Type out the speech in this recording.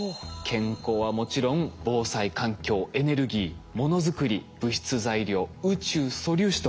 健康はもちろん防災・環境エネルギーものづくり物質材料宇宙・素粒子と。